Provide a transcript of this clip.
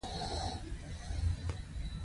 د قطب نما په جوړېدو سره اسانتیا رامنځته شوه.